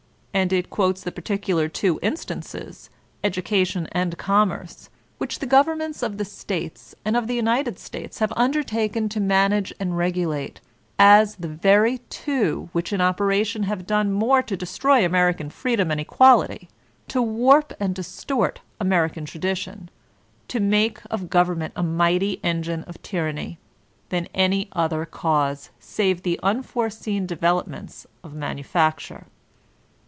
And it quotes the particular two instances. Education and Commerce, which the governments of the States and of the United States have undertaken to man age and r^ulate, as the very two which in operation have done more to destroy American freedom and equality, to warp and distort American tradition, to make of govern^ ment a mighty engine of tyranny, than any other cause, save the unforeseen developments of Manufacture.